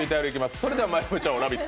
それではまいりましょう、「ラヴィット！」